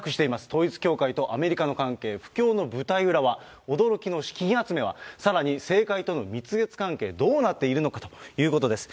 統一教会とアメリカの関係、布教の舞台裏は、驚きの資金集めは、さらに政界との蜜月関係、どうなっているのかということです。